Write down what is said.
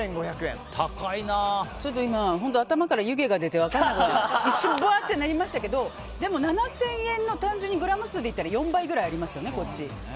ちょっと今、頭から湯気が出て分かんなくなって一瞬、ぼわってなりましたけどでも、７０００円の単純にグラム数で言ったら４倍くらいありますよね、こっち。